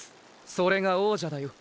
それが王者だよ！！